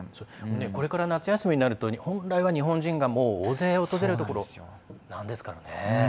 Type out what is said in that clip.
これから夏休みになると本来は日本人が大勢訪れるところですからね。